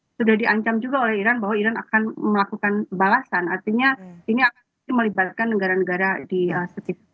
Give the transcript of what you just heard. karena sudah di ancam juga oleh iran bahwa iran akan melakukan balasan artinya ini akan melibatkan negara negara di setiap